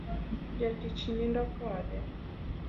Jatich nindo kode